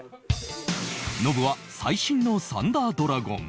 ノブは最新のサンダードラゴン